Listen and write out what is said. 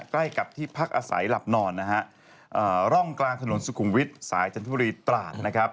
ใกล้กับที่พักอาศัยหลับนอนนะฮะร่องกลางถนนสุขุมวิทย์สายจันทบุรีตราดนะครับ